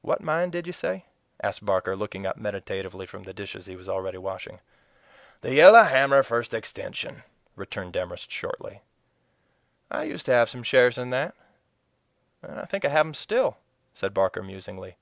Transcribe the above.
"What mine did you say?" asked Barker, looking up meditatively from the dishes he was already washing. "The Yellow Hammer First Extension," returned Demorest shortly. "I used to have some shares in that, and I think I have them still," said Barker musingly.